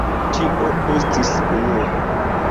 Tio estis unue.